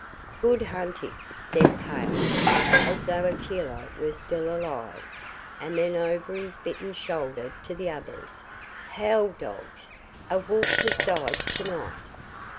"Good hunting!" said Phao, as though Akela were still alive, and then over his bitten shoulder to the others: "Howl, dogs! A Wolf has died to night!"